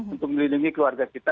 untuk melindungi keluarga kita